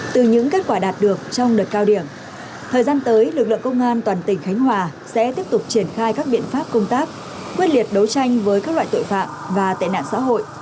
từ những kết quả đạt được trong đợt cao điểm thời gian tới lực lượng công an toàn tỉnh khánh hòa sẽ tiếp tục triển khai các biện pháp công tác quyết liệt đấu tranh với các loại tội phạm và tệ nạn xã hội